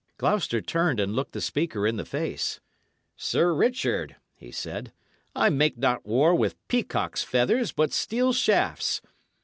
Gloucester turned and looked the speaker in the face. "Sir Richard," he said, "I make not war with peacock's feathers, but steel shafts.